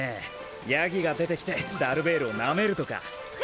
ヤギがでてきてダルベールをなめるとか。